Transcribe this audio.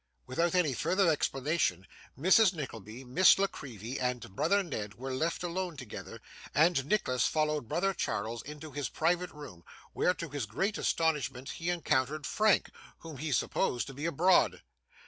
Without any further explanation, Mrs. Nickleby, Miss La Creevy, and brother Ned, were left alone together, and Nicholas followed brother Charles into his private room; where, to his great astonishment, he encountered Frank, whom he supposed to be abroad.